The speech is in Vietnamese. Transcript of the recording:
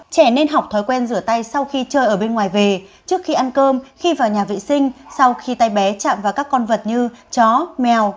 trẻ nên học thói quen rửa tay sau khi chơi ở bên ngoài về trước khi ăn cơm khi vào nhà vệ sinh sau khi tay bé chạm vào các con vật như chó mèo